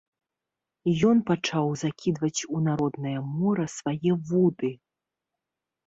Ён пачаў закідваць у народнае мора свае вуды.